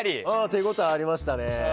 手応えありましたね。